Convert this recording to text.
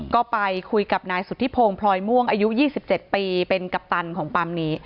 ก็ไปคุยกับนายสุธิพงศ์พลอยม่วงอายุ๒๗ปีเป็นกัปตันของปั๊มนี้